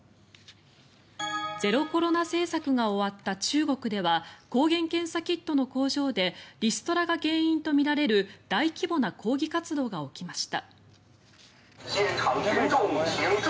ゼロコロナ政策が終わった中国では抗原検査キットの工場でリストラが原因とみられる大規模な抗議活動が起きました。